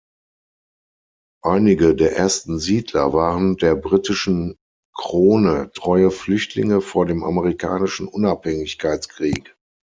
Einige der ersten Siedler waren der britischen Krone treue Flüchtlinge vor dem Amerikanischen Unabhängigkeitskrieg.